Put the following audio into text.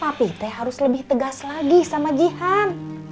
pak pi teh harus lebih tegas lagi sama jihan